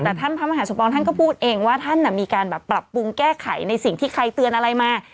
แต่ท่านพระมหาสมปองท่านก็พูดเองว่าท่านมีการแบบปรับปรุงแก้ไขในสิ่งที่ใครเตือนอะไรมา